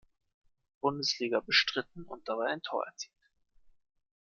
Bundesliga bestritten und dabei ein Tor erzielt.